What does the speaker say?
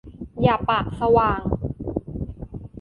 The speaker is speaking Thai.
อย่าปากสว่าง !